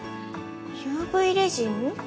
ＵＶレジン？